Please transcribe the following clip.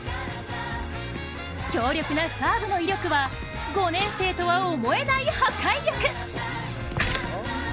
強力なサーブの威力は５年生とは思えない破壊力。